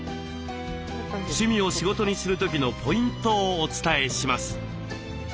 趣味を仕事にする時のポイントをお伝えします。